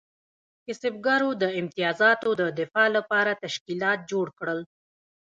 کسبګرو د امتیازاتو د دفاع لپاره تشکیلات جوړ کړل.